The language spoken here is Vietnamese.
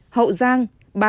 hậu giang ba mươi chín